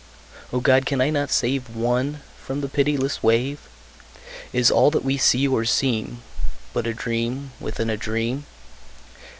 O God! can I not save One from the pitiless wave? Is all that we see or seem But a dream within a dream?